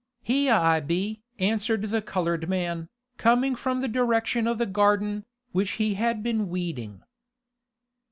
"Heah I be!" answered the colored man, coming from the direction of the garden, which he had been weeding.